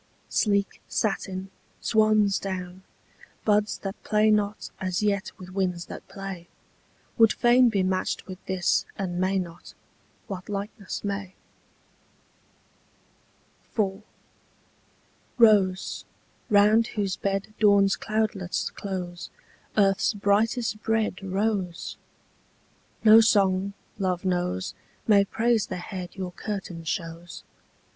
Sleek satin, swansdown, buds that play not As yet with winds that play, Would fain be matched with this, and may not: What likeness may? IV. Rose, round whose bed Dawn's cloudlets close, Earth's brightest bred Rose! No song, love knows, May praise the head Your curtain shows.